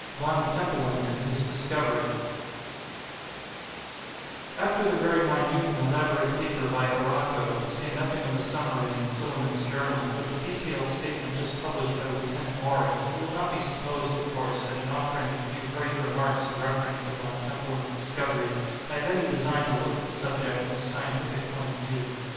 VON KEMPELEN AND HIS DISCOVERY After the very minute and elaborate paper by Arago, to say nothing of the summary in 'Silliman's Journal,' with the detailed statement just published by Lieutenant Maury, it will not be supposed, of course, that in offering a few hurried remarks in reference to Von Kempelen's discovery, I have any design to look at the subject in a scientific point of view.